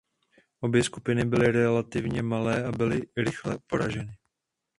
Obě skupiny byly relativně malé a byly rychle poraženy.